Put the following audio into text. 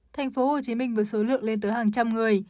tp hcm với số lượng lên tới hàng trăm người